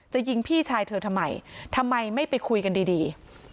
ยิงพี่ชายเธอทำไมทำไมไม่ไปคุยกันดีดี